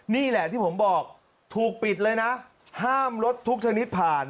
นี่แหละที่ผมบอกถูกปิดเลยนะห้ามรถทุกชนิดผ่าน